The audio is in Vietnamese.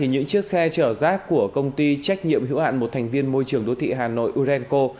những chiếc xe chở rác của công ty trách nhiệm hữu hạn một thành viên môi trường đô thị hà nội urenco